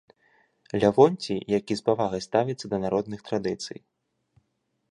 Лявонцій, які з павагай ставіцца да народных традыцый.